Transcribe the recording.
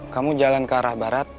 kamu jalan ke arah barat